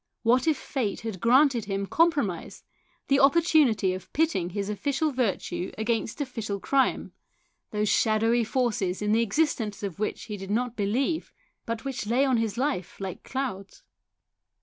What if fate had granted him compromise, the opportunity of pitting his official virtue against official crime, those shadowy forces in the existence of which he did not believe, but which lay on his life like clouds